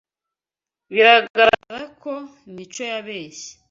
Biragaragara ko Mico yabeshye